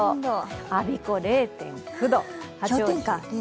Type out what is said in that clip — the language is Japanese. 我孫子０．９度。